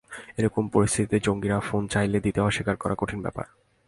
এ রকম পরিস্থিতিতে জঙ্গিরা ফোন চাইলে দিতে অস্বীকার করা কঠিন ব্যাপার।